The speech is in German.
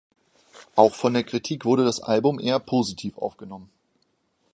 Auch von der Kritik wurde das Album eher positiv aufgenommen.